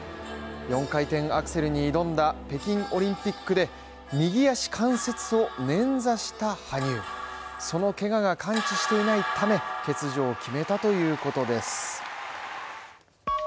４回転アクセルに挑んだ北京オリンピックで右足関節を捻挫した羽生そのけがが完治していないため、欠場を決めたということです。